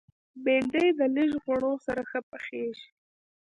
بېنډۍ د لږ غوړو سره ښه پخېږي